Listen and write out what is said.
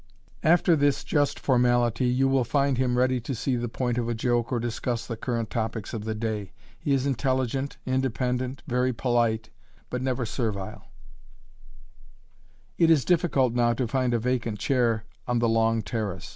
After this just formality, you will find him ready to see the point of a joke or discuss the current topics of the day. He is intelligent, independent, very polite, but never servile. [Illustration: (woman walking near fountain)] It is difficult now to find a vacant chair on the long terrace.